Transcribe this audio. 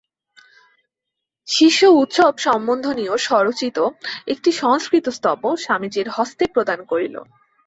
শিষ্য উৎসব সম্বন্ধীয় স্বরচিত একটি সংস্কৃত স্তব স্বামীজীর হস্তে প্রদান করিল।